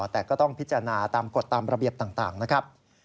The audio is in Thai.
แต่ก็ต้องพิจารณาตามกฎตามระเบียบต่างนะครับ